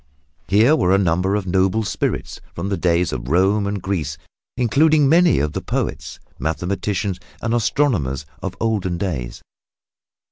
Here were a number of noble spirits from the days of Rome and Greece, including many of the poets, mathematicians and astronomers of olden days.